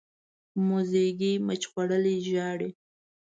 موزیګی مچ خوړلی ژاړي.